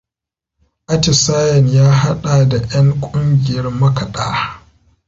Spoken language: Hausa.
Atisayen ya haɗa da ƴan ƙungiyar makaɗa.